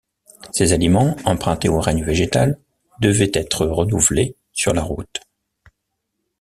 Ces aliments, empruntés au règne végétal, devaient être renouvelés sur la route.